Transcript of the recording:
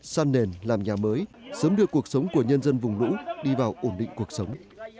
san nền làm nhà mới sớm đưa cuộc sống của nhân dân vùng lũ đi vào ổn định cuộc sống